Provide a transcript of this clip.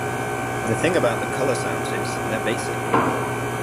The thing about the Coloursounds is they're basic.